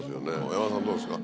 山田さんどうですか？